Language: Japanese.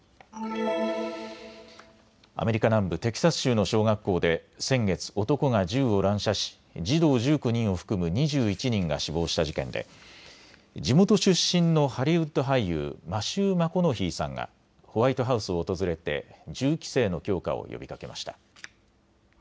アメリカ南部テキサス州の小学校で先月、男が銃を乱射し児童１９人を含む２１人が死亡した事件で地元出身のハリウッド俳優、マシュー・マコノヒーさんがホワイトハウスを訪れて銃規制の強化を呼びかけました。